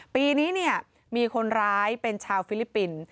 ปีนี้มีคนร้ายเป็นชาวฟิลิปปินส์